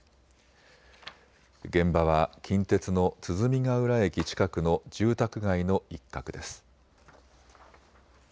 現場は近鉄の鼓ヶ浦駅近くの住宅街の一角です。